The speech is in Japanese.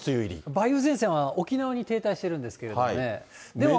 梅雨前線は沖縄に停滞しているんですけどもね。